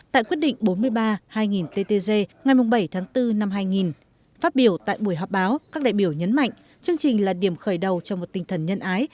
tại quyết định bốn mươi ba hai nghìn ttg ngày bảy tháng bốn năm hai nghìn phát biểu tại buổi họp báo các đại biểu nhấn mạnh chương trình là điểm khởi đầu cho một tinh thần nhân ái